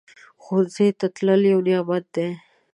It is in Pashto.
ښوونځی ته تلل یو نعمت دی